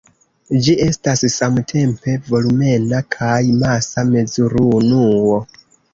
Ĝi estas samtempe volumena kaj masa mezurunuo.